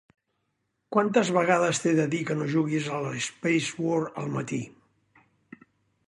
Quantes vegades t'he de dir que no juguis a Spacewar al matí!